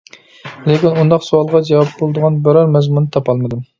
لېكىن ئۇنداق سوئالغا جاۋاب بولىدىغان بىرەر مەزمۇننى تاپالمىدىم.